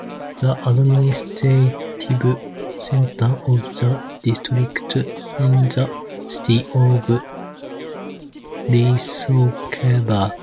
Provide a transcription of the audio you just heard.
The administrative center of the district is the city of Leskovac.